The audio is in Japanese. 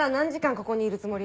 ここにいるつもり？